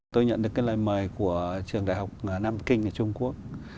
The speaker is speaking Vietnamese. tôi nhận được cái lời mời của trường đại học nam kinh ở trung quốc